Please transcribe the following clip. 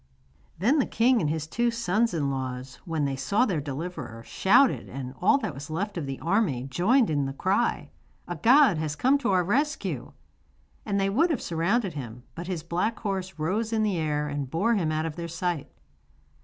Then the king and his two sons in law, when they saw their deliverer, shouted, and all that was left of the army joined in the cry: 'A god has come to our rescue!' And they would have surrounded him, but his black horse rose in the air and bore him out of their sight.